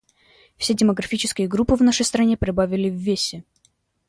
Все демографические группы в нашей стране прибавили в весе.